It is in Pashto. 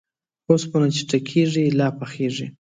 اوسپنه چې ټکېږي ، لا پخېږي.